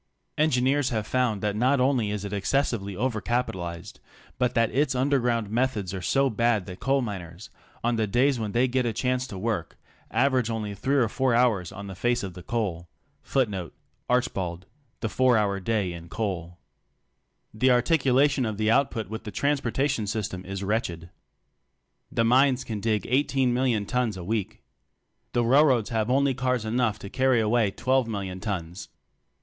Engineers have found that not only is it excessively over capitalized, but that its underground methods are so bad that coal miners — on the days when they get a chance to work — average only three or four hours on the face of the coal.^ The articulation of the out put with the transportation system is wretched. The mines can dig 18,000,000 tons a week. The railroads have only cars enough to carry away 12,000,000 tons.